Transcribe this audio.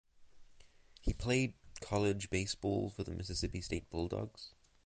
He played college baseball for the Mississippi State Bulldogs.